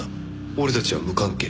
俺たちは無関係。